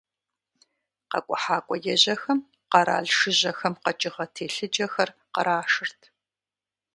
Къэкӏухьакӏуэ ежьэхэм къэрал жыжьэхэм къэкӏыгъэ телъыджэхэр кърашырт.